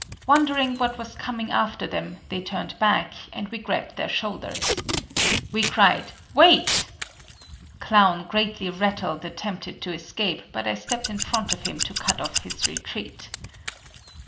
Wondering what was coming after them, they turned back, and we grabbed their shoulders. We cried, "Wait!" Clown, greatly rattled, attempted to escape, but I stepped in front of him to cut off his retreat.